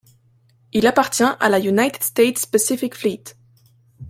Il appartient à la United States Pacific Fleet.